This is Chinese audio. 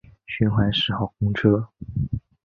循环十号公车